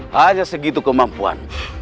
hanya segitu kemampuan